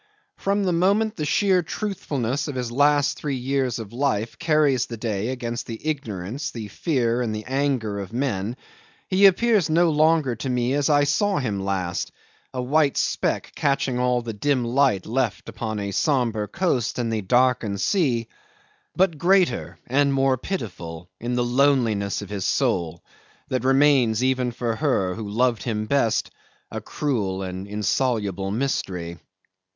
From the moment the sheer truthfulness of his last three years of life carries the day against the ignorance, the fear, and the anger of men, he appears no longer to me as I saw him last a white speck catching all the dim light left upon a sombre coast and the darkened sea but greater and more pitiful in the loneliness of his soul, that remains even for her who loved him best a cruel and insoluble mystery.